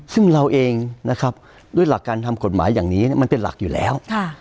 ซึ่งเราเองนะครับด้วยหลักการทำกฎหมายอย่างนี้มันเป็นหลักอยู่แล้ว